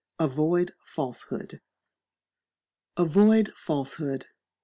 Avoid Falsehood. Avoid falsehood.